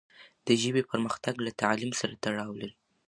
د ژبې پرمختګ له تعلیم سره تړاو لري.